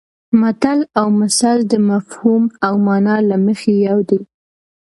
متل او مثل د مفهوم او مانا له مخې یو دي